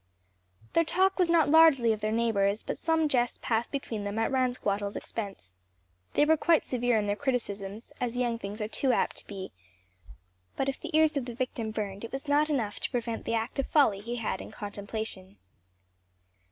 Their talk was not largely of their neighbors, but some jests passed between them at Ransquattle's expense. They were quite severe in their criticisms, as young things are too apt to be; but if the ears of the victim burned it was not enough to prevent the act of folly he had in contemplation.